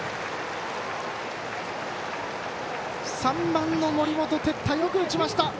３番の森本哲太、よく打ちました。